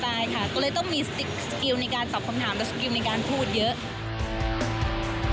ก็เลยต้องมีสกิลในการตอบคำถามและสกิลในการพูดเยอะ